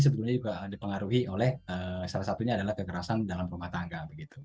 sebetulnya juga dipengaruhi oleh salah satunya adalah kekerasan dalam rumah tangga